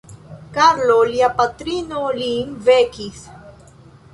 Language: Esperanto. Karlo Lia patrino lin vekis.